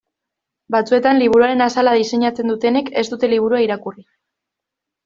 Batzuetan liburuaren azala diseinatzen dutenek ez dute liburua irakurri.